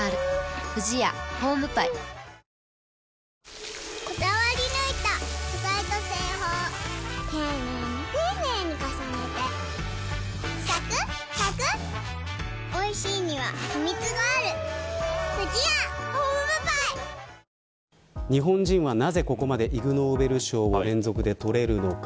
やはりキスというものが日本人はなぜここまでイグ・ノーベル賞を連続で取れるのか。